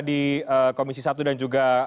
di komisi satu dan juga